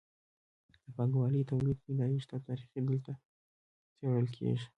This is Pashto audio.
د پانګوالي تولید پیدایښت او تاریخ دلته څیړل کیږي.